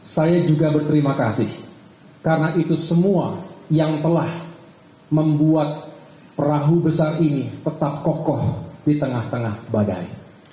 saya juga berterima kasih karena itu semua yang telah membuat perahu besar ini tetap kokoh di tengah tengah badai